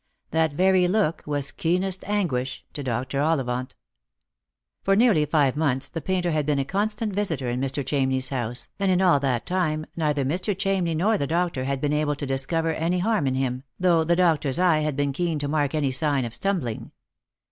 That very look was keenest anguish to Dr. Ollivant. For nearly five months the painter had been a constant visitor in Mr. Ohamney's house, and in all that time neither Mr. Chamney nor the doctor had been able to discover any harm in him, though the doctor's eye had been keen to mark any sign of stumbling.